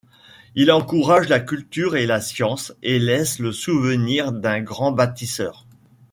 Il encourage la culture et la science et laisse le souvenir d’un grand bâtisseur.